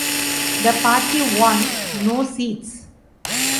The party won no seats.